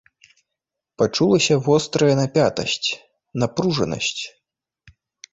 Пачулася вострая напятасць, напружанасць.